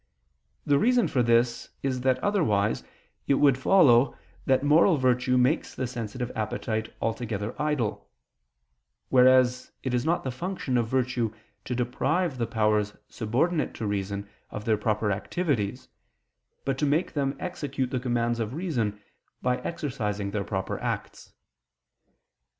The reason for this is that otherwise it would follow that moral virtue makes the sensitive appetite altogether idle: whereas it is not the function of virtue to deprive the powers subordinate to reason of their proper activities, but to make them execute the commands of reason, by exercising their proper acts.